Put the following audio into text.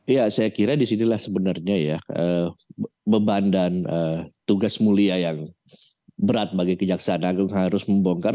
ya saya kira disinilah sebenarnya ya beban dan tugas mulia yang berat bagi kejaksaan agung harus membongkar